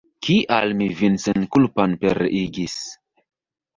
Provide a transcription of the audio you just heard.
Kial mi vin senkulpan pereigis!